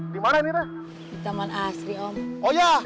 dimana ini teh